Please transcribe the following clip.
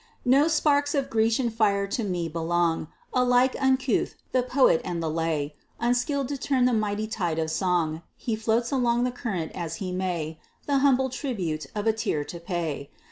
No sparks of Grecian fire to me belong: Alike uncouth the poet and the lay; Unskill'd to turn the mighty tide of song, He floats along the current as he may, The humble tribute of a tear to pay.